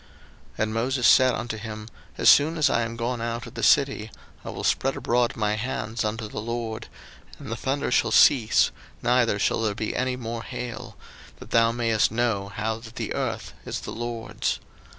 02:009:029 And Moses said unto him, As soon as I am gone out of the city, I will spread abroad my hands unto the LORD; and the thunder shall cease, neither shall there be any more hail; that thou mayest know how that the earth is the LORD's.